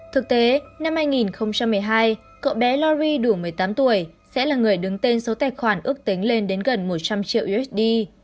thực tế năm hai nghìn một mươi hai cậu bé lori đủ một mươi tám tuổi sẽ là người đứng tên số tài khoản ước tính lên đến gần một trăm linh triệu usd